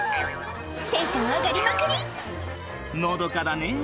テンション上がりまくりのどかだねぇ